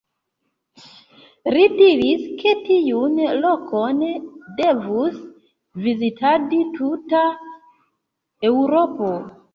Li diris, ke tiun lokon devus vizitadi tuta Eŭropo.